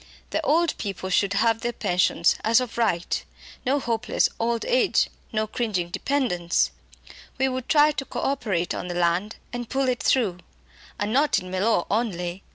The old people should have their pensions as of right. No hopeless old age, no cringing dependence! We would try co operation on the land, and pull it through. And not in Mellor only.